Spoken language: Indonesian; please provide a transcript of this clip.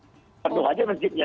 penuh aja masjidnya